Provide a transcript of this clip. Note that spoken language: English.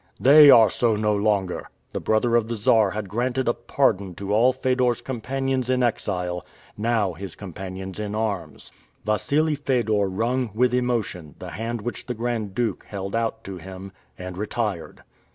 "They are so no longer!" The brother of the Czar had granted a pardon to all Fedor's companions in exile, now his companions in arms! Wassili Fedor wrung, with emotion, the hand which the Grand Duke held out to him, and retired.